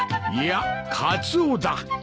いやカツオだ。